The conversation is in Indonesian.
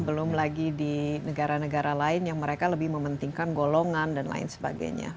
belum lagi di negara negara lain yang mereka lebih mementingkan golongan dan lain sebagainya